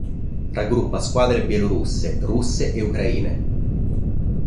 Raggruppa squadre bielorusse, russe e ucraine.